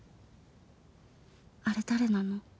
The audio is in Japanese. あれ誰なの？